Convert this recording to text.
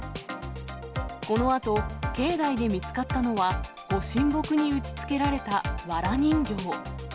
このあと、境内で見つかったのは、ご神木に打ちつけられたわら人形。